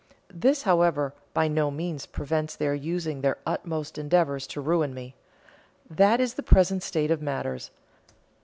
This, however, by no means prevents their using their utmost endeavours to ruin me. That is the present state of matters.